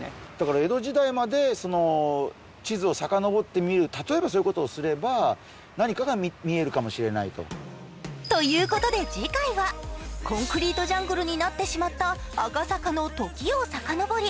江戸時代まで地図をさかのぼってみて、そういうことをすれば何かが見えるかもしれないと。ということで次回はコンクリートジャングルになってしまった赤坂の時を探り